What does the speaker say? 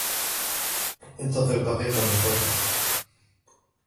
إنتظر دقيقة من فضلك!